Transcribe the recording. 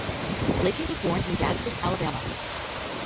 Blakey was born in Gadsden, Alabama.